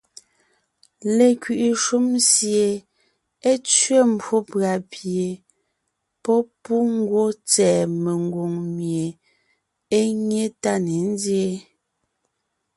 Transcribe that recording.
Lekwiʼi shúm sie é tsẅé mbwó pʉ̀a pie pɔ́ pú ngwɔ́ tsɛ̀ɛ mengwòŋ mie é nyé tá ne nzyéen.